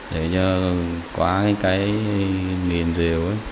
để cho quá cái nghìn rìu